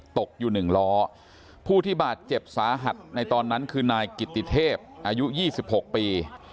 ตกอยู่หนึ่งล้อผู้ที่บาดเจ็บสาหัสในตอนนั้นคือนายกิติเทพอายุ๒๖ปี